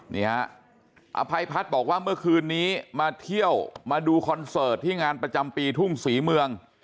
นี่ฮะอภัยพัฒน์บอกว่าเมื่อคืนนี้มาเที่ยวมาดูคอนเสิร์ตที่งานประจำปีทุ่งศรีเมือง